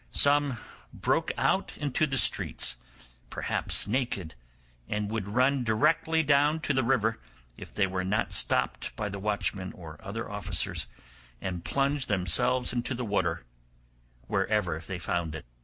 Some broke out into the streets, perhaps naked, and would run directly down to the river if they were not stopped by the watchman or other officers, and plunge themselves into the water wherever they found it.